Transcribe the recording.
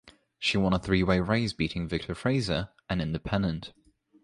She won a three-way race beating Victor Frazer, an Independent.